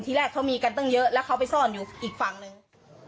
แรกเขามีกันตั้งเยอะแล้วเขาไปซ่อนอยู่อีกฝั่งหนึ่ง